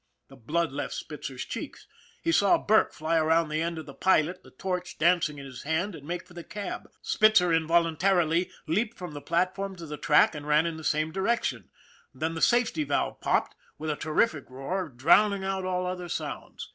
The blood left Spitzer's cheeks. He saw Burke fly around the end of the pilot, the torch dancing in his hand, and make for the cab. Spitzer involuntarily leaped from the platform to the track and ran in the same direction, then the safety valve popped with a terrific roar, drowning out all other sounds.